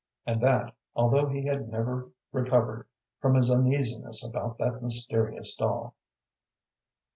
And that, although he had never recovered from his uneasiness about that mysterious doll.